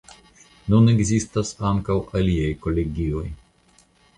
Nun ekzistas ankaŭ aliaj kolegioj.